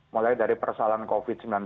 mulai dari persoalan covid sembilan belas